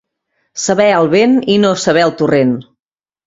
Saber el vent i no saber el torrent.